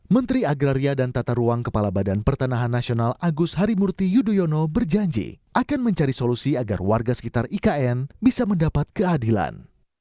menteri agraria dan tata ruang kepala badan pertanahan nasional agus harimurti yudhoyono berjanji akan mencari solusi agar warga sekitar ikn bisa mendapat keadilan